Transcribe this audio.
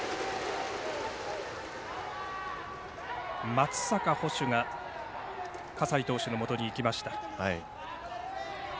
松坂捕手が葛西投手のもとに行きました。